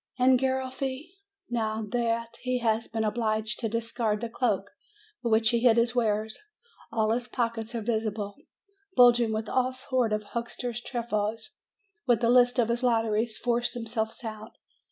And Garoffi? Now that he has been obliged to discard the cloak beneath which he hid his wares, all his pockets are visible, bulging with all sorts of huck ster's trifles, and the lists of his lotteries force them selves out.